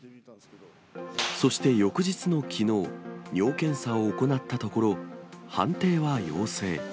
そして翌日のきのう、尿検査を行ったところ、判定は陽性。